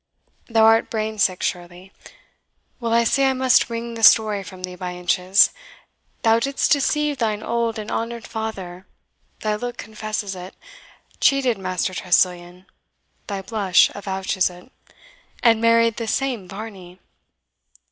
Thou art brain sick, surely. Well I see I must wring the story from thee by inches. Thou didst deceive thine old and honoured father thy look confesses it cheated Master Tressilian thy blush avouches it and married this same Varney."